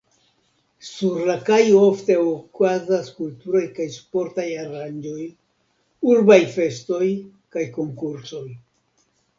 Sur la kajo ofte okazas kulturaj kaj sportaj aranĝoj, urbaj festoj kaj konkursoj.